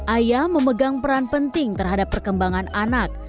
ayah memegang peran penting terhadap perkembangan anak